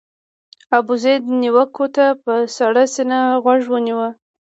ابوزید نیوکو ته په سړه سینه غوږ ونیو.